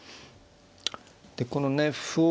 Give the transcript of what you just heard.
でこのね歩を。